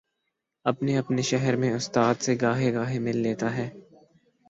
اپنے اپنے شہر میں استاد سے گاہے گاہے مل لیتا ہے۔